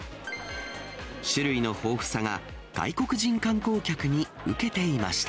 種類の豊富さが外国人観光客にうけていました。